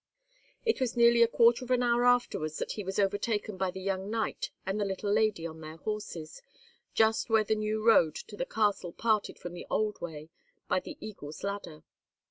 It was nearly a quarter of an hour afterwards that he was overtaken by the young knight and the little lady on their horses, just where the new road to the castle parted from the old way by the Eagle's Ladder.